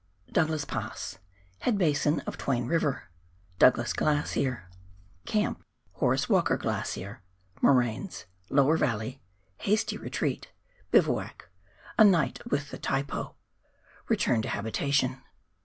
Douglas Pass — Head Basin of Twain River— Douglas Glacier — Camp — Horace "Walker Glacier — Moraines — Lower Valley — Hasty Retreat — Bivouac — A Night with the " Taipo "— Return to Habitation.